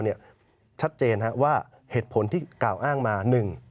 นี่ชัดเจนนะเห้ะว่าเหกษภนที่กล่าวอ้างมาหนึ่ง